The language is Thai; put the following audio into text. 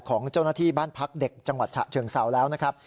ของเจ้าหน้าที่บ้านพักเด็กจังหวัดฉะเชิงเซาแล้วนะครับ